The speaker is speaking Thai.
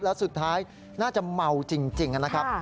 แล้วสุดท้ายน่าจะเมาจริงนะครับ